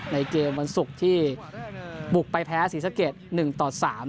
ในเกมวันศุคย์ที่ปุกไปแผลอาศีรกเกศ๑ต่อ๓